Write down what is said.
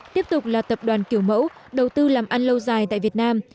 tiếp tục là tập đoàn kiểu mẫu đầu tư làm ăn lâu dài tại việt nam